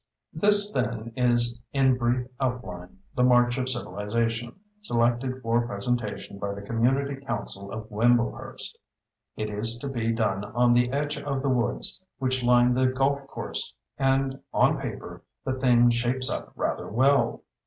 This, then, is in brief outline, "The March of Civilization," selected for presentation by the Community Council of Wimblehurst. It is to be done on the edge of the woods which line the golf course, and on paper, the thing shapes up rather well.